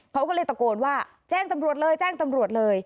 เขาก็เลยตะโกนว่าแจ้งตำรวจเลยแจ้งตำรวจเลย